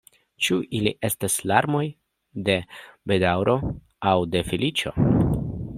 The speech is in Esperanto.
Ĉu ili estas larmoj de bedaŭro, aŭ de feliĉo?